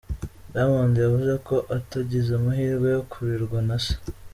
Diamond yavuze ko atagize amahirwe yo kurerwa na Se.